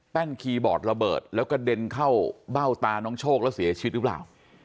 คีย์บอร์ดระเบิดแล้วกระเด็นเข้าเบ้าตาน้องโชคแล้วเสียชีวิตหรือเปล่า